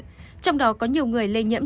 trong đó có nhiều người lây nhiễm